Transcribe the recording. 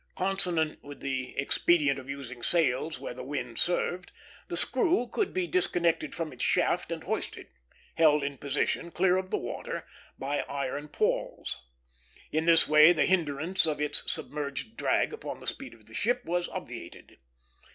Consonant with the expedient of using sails where the wind served, the screw could be disconnected from its shaft and hoisted; held in position, clear of the water, by iron pawls. In this way the hinderance of its submerged drag upon the speed of the ship was obviated.